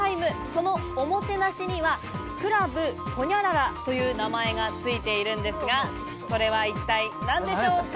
そのおもてなしにはクラブホニャララという名前がついているんですが、それは一体何でしょうか？